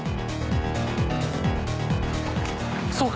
そうか。